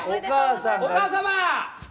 お母様！